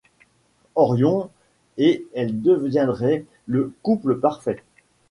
Orion et elle deviendraient le couple parfait.